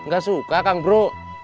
gak suka kang bro